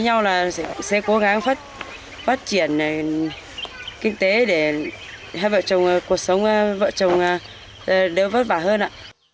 với nhau là sẽ cố gắng phát triển kinh tế để hai vợ chồng cuộc sống vợ chồng đều vất vả hơn ạ